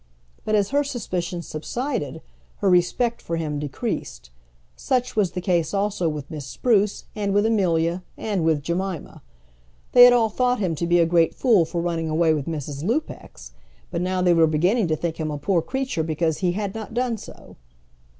But as her suspicions subsided, her respect for him decreased. Such was the case also with Miss Spruce, and with Amelia, and with Jemima. They had all thought him to be a great fool for running away with Mrs. Lupex, but now they were beginning to think him a poor creature because he had not done so.